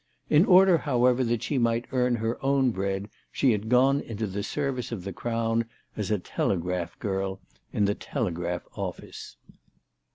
In order, however, that she might earn her own bread she had gone into the service of the Crown as a "Telegraph Girl" in the telegraph Office.